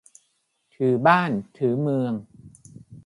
ถือบ้านถือเมือง